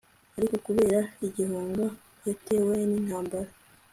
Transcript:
ariko kubera igihunga yatewe n'intambara